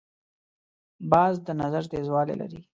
باز د نظر تیزوالی لري